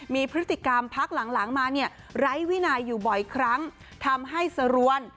มีพฤติกรรมพักหลังมาเนี่ยไร้วินัยอยู่บ่อยครั้งทำให้สรวน